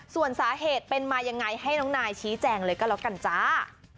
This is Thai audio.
ส่วนสาเหตุเป็นมายังไงให้น้องนายชี้แจงเลยก็แล้วกันจ้า